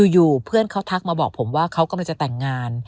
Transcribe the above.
อยู่เพื่อนเขาทักมาบอกผมว่าเขากำลังจะแต่งงาน